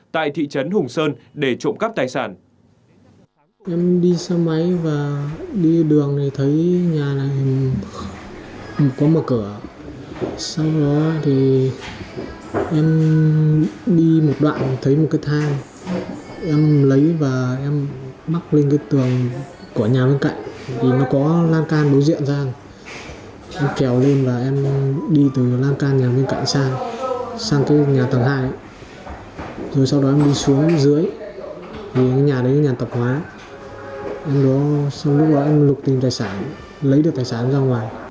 tại thị trấn hùng sơn để trộm cắp tài sản